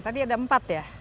tadi ada empat ya